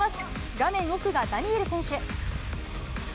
画面奥がダニエル選手。